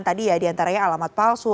tadi ya diantaranya alamat palsu